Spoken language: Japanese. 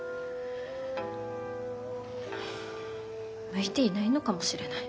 向いていないのかもしれない。